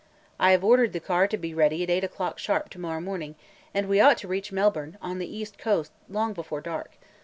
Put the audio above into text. I have ordered the car to be ready at eight o'clock sharp to morrow morning, and we ought to reach Melbourne, on the east coast, long before dark.